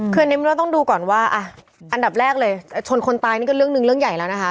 คืออันนี้มันก็ต้องดูก่อนว่าอันดับแรกเลยชนคนตายนี่ก็เรื่องหนึ่งเรื่องใหญ่แล้วนะคะ